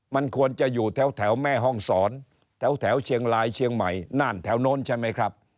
มันควรจะอยู่แถวแม่ห้องศรแถวเชียงรายเชียงใหม่น่านแถวโน้นใช่ไหมครับ